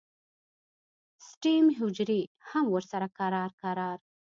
سټیم حجرې هم ورسره کرار کرار